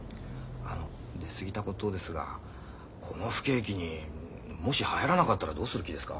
あの出過ぎたことですがこの不景気にもしはやらなかったらどうする気ですか？